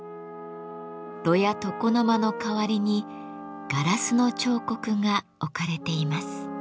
炉や床の間の代わりにガラスの彫刻が置かれています。